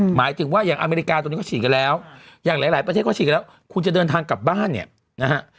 หมายถึงว่าอย่างอเมริกาตรงนี้เขาฉีดกันแล้วอย่างหลายประเทศเขาฉีดกันแล้วคุณจะเดินทางกลับบ้านเนี่ยนะฮะ